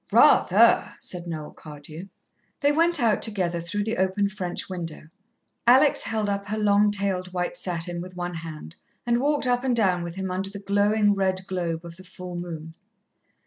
"Rather," said Noel Cardew. They went out together through the open French window. Alex held up her long tailed white satin with one hand, and walked up and down with him under the glowing red globe of the full moon.